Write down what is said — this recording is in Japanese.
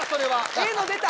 ええの出た！